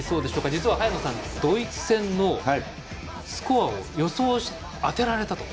実は、早野さんドイツ戦のスコアを予想して、当てられたと。